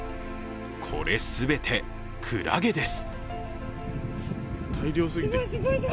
これ全て、クラゲです。